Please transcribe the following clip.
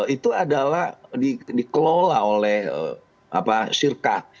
itu adalah dikelola oleh syirkah